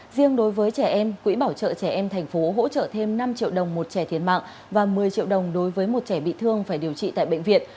riêng đối với trẻ em quỹ bảo trợ trẻ em thành phố hỗ trợ thêm năm triệu đồng một trẻ thiệt mạng và một mươi triệu đồng đối với một trẻ bị thương phải điều trị tại bệnh viện